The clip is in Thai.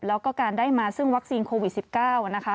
แล้วก็การได้มาซึ่งวัคซีนโควิด๑๙นะคะ